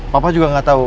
papa juga gak tau